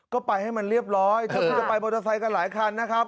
ก็ไปให้มันเรียบร้อยถ้าคุณจะไปมอเตอร์ไซค์กันหลายคันนะครับ